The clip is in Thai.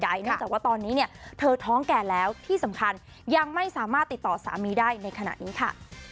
เนื่องจากว่าตอนนี้เนี่ยเธอท้องแก่แล้วที่สำคัญยังไม่สามารถติดต่อสามีได้ในขณะนี้ค่ะ